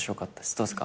どうですか？